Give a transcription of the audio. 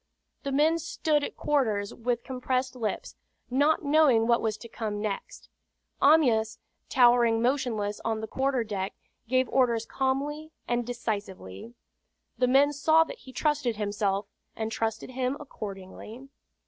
The men stood at quarters with compressed lips, not knowing what was to come next. Amyas, towering motionless on the quarter deck, gave orders calmly and decisively. The men saw that he trusted himself, and trusted him accordingly.